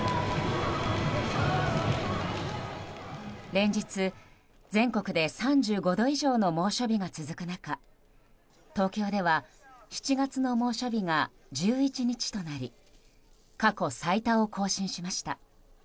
連日、全国で３５度以上の猛暑日が続く中東京では７月の猛暑日が１１日となり過去最多を更新しました。